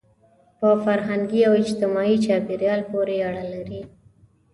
په فرهنګي او اجتماعي چاپېریال پورې اړه لري.